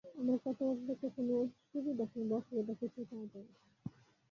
আমার কথাবার্তা থেকে কোনো সুবিধা কিংবা অসুবিধা কিছুই পাওয়া যায় না।